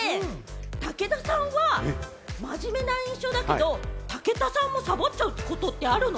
武田さんは真面目な印象だけど、武田さんもサボっちゃうことってあるの？